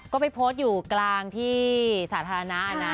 ก็ไปโพสต์อยู่กลางที่สาธารณะนะ